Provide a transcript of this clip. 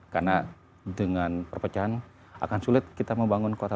karena dengan perpecahan akan sulit kita membangun kota